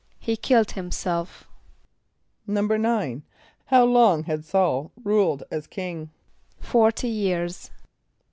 =He killed himself.= =9.= How long had S[a:]ul ruled as king? =Forty years.